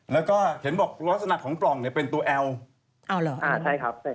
แล้วก็เห็นบอกลักษณะของปล่องเนี่ยเป็นตัวแอลอ้าวเหรออ่าใช่ครับใช่